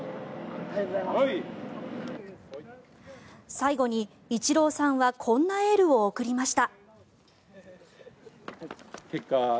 最後にイチローさんはこんなエールを送りました。